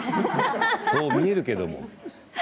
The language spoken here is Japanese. そう見えるけど。